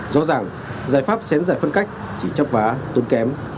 do rằng giải pháp xén dài phân cách chỉ chấp vá tốn kém